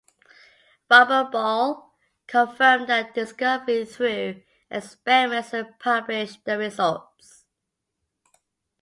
Robert Boyle confirmed their discovery through experiments and published the results.